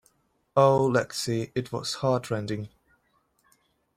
Oh, Lexi, it was heartrending.